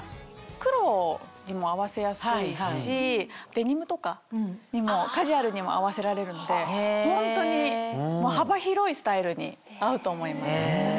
黒にも合わせやすいしデニムとかにもカジュアルにも合わせられるのでホントに幅広いスタイルに合うと思います。